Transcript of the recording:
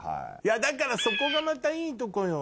だからそこがまたいいとこよ。